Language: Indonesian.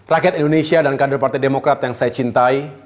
rakyat indonesia dan kader partai demokrat yang saya cintai